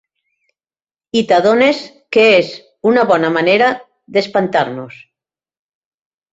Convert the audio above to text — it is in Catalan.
I t’adones que és una bona manera d’espantar-nos.